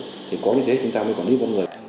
thì có như thế chúng ta mới có nếu có người